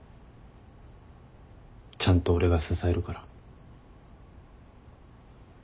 ちゃんと俺が支えるから。